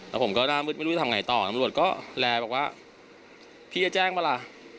แล้วผมก็หน้ามืดไม่รู้จะทำไงต่อตำรวจก็แลบอกว่าพี่จะแจ้งป่ะล่ะ